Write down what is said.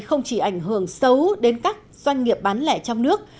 không chỉ ảnh hưởng xấu đến các doanh nghiệp bán lẻ trong nước